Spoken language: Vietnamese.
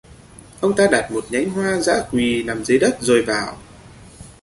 Ông ta đặt một nhánh Hoa Dã Quỳ nằm dưới đất rồi bảo